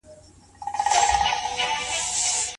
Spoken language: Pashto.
خلګ د روغتیایی ټولنپوهنې هرکلی کوي.